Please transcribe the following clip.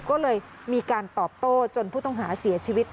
ก็เลยมีการตอบโต้จนผู้ต้องหาเสียชีวิต